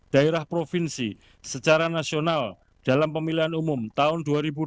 daerah provinsi secara nasional dalam pemilihan umum tahun dua ribu dua puluh